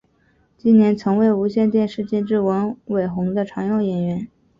近年曾为无线电视监制文伟鸿的常用演员。